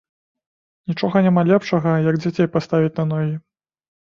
Нічога няма лепшага, як дзяцей паставіць на ногі.